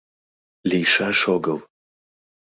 — Лийшаш огыл!